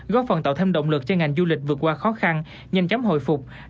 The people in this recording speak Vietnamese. góp phần tạo thêm động lực cho ngành du lịch vượt qua khó khăn nhanh chóng hồi phục